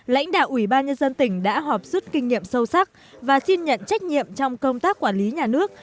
lãnh đạo ubnd tỉnh đã họp xuất kinh nghiệm sâu sắc và xin nhận trách nhiệm trong công tác quản lý nhà nước